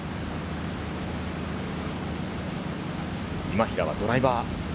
今平はドライバー。